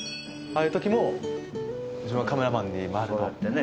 ああいう時もカメラマンに。